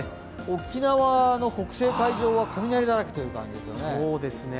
沖縄の北西海上は雷だらけという感じですね。